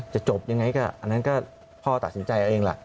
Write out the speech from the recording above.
จะจบยังไงก็อันนั้นก็พ่อตัดสินใจเอาเองล่ะ